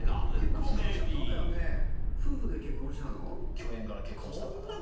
共演から結婚したパターンです